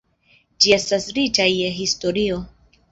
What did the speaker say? Ĝi estas riĉa je historio.